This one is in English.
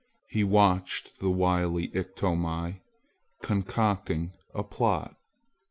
He watched the wily Iktomi concocting a plot.